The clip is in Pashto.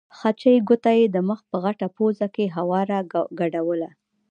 خچۍ ګوته یې د مخ په غټه پوزه کې هواره ګډوله.